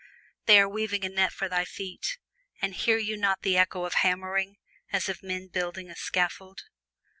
They are weaving a net for thy feet, and hear you not the echo of hammering, as of men building a scaffold?